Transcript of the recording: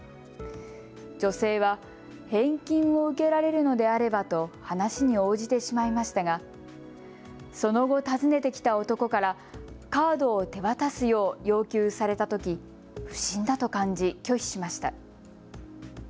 女性は返金を受けられるのであればと話に応じてしまいましたがその後、訪ねてきた男からカードを手渡すよう要求されたとき不審だと感じ拒否しました。